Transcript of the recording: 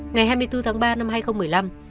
ngày hai mươi bốn tháng ba năm hai nghìn một mươi năm